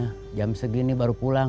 nah jam segini baru pulang